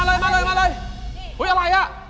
อุ๊ยอะไรน่ะ